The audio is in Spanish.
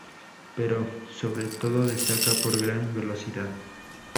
Pero, sobre todo destaca por gran velocidad.